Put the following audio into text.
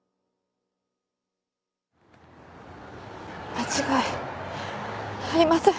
間違いありません。